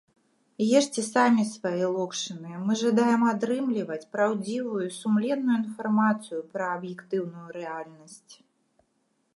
Ешце самі свае локшыны, мы жадаем атрымліваць праўдзівую і сумленную інфармацыю пра аб'ектыўную рэальнасць!